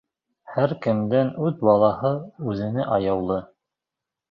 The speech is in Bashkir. Һәр кемдең үҙ балаһы үҙенә аяулы.